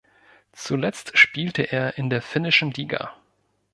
Zuletzt spielte er in der finnischen Liga.